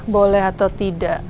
boleh atau tidak